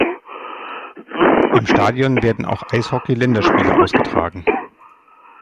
Im Stadion werden auch Eishockey-Länderspiele ausgetragen.